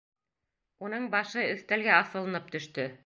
Уның башы өҫтәлгә аҫылынып төштө.